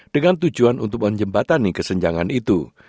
dengan tujuan untuk menjembatani kesenjangan itu